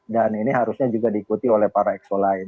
dan ini harusnya juga diikuti oleh para exo lain